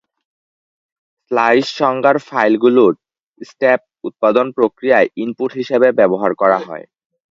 Slice সংজ্ঞার ফাইলগুলো stub উৎপাদন প্রক্রিয়ায় ইনপুট হিসেবে ব্যবহার করা হয়।